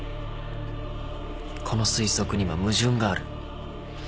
この推測には矛盾がある。